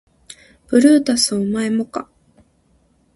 ブルータスお前もか